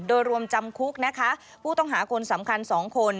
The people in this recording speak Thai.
โดยรวมจำคุกนะคะผู้ต้องหาคนสำคัญ๒คน